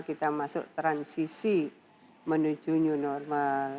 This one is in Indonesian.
kita masuk transisi menuju new normal